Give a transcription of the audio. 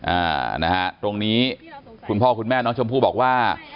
อ่านะฮะตรงนี้คุณพ่อคุณแม่น้องชมพู่บอกว่า